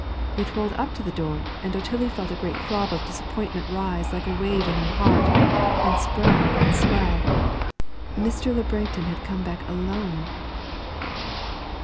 It rolled up to the door, and Otillie felt a great throb of disappointment rise like a wave in her heart, and spread and swell! Mr. Le Breton had come back alone!